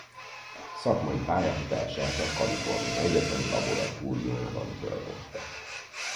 Szakmai pályafutását a California Egyetem Laboratóriumában töltötte.